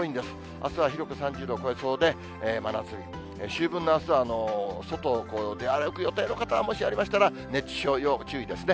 あすは広く３０度を超えそうで、真夏日、秋分のあすは外を出歩く予定の方はもしありましたら、熱中症要注意ですね。